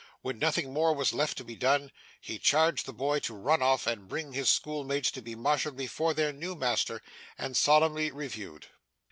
When nothing more was left to be done, he charged the boy to run off and bring his schoolmates to be marshalled before their new master, and solemnly reviewed.